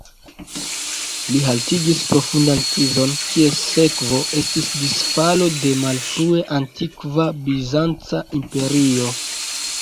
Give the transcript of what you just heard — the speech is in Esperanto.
Li haltigis profundan krizon, kies sekvo estis disfalo de malfrue antikva bizanca imperio.